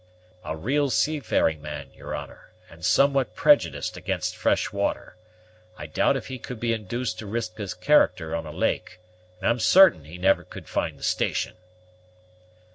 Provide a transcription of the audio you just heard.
"A real seafaring man, your honor, and somewhat prejudiced against fresh water. I doubt if he could be induced to risk his character on a lake, and I'm certain he never could find the station."